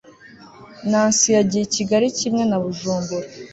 nancy yagiye i kigali kimwe na bujumbura